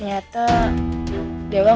ya aku sama